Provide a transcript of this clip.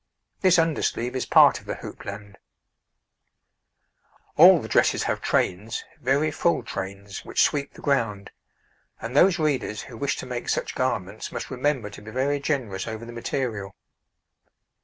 This under sleeve is part of the houppelande. All the dresses have trains, very full trains, which sweep the ground, and those readers who wish to make such garments must remember to be very generous over the material.